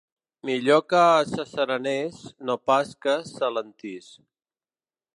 Millor que s’asserenés, no pas que s’alentís.